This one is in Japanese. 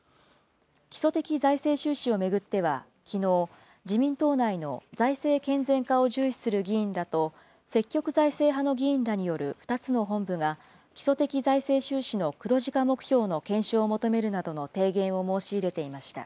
基礎的財政収支を巡ってはきのう、自民党内の財政健全化を重視する議員らと、積極財政派の議員らによる２つの本部が、基礎的財政収支の黒字化目標の検証を求めるなどの提言を申し入れていました。